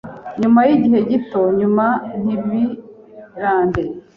nyuma yigihe gito nyuma ntibirambe